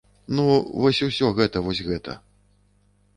Ну, вось усё гэта вось гэта.